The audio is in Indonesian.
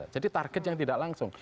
jadi target yang tidak langsung